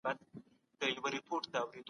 مینه او ورورولي خپره کړئ.